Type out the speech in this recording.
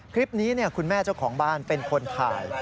คลิปนี้คุณแม่เจ้าของบ้านเป็นคนถ่าย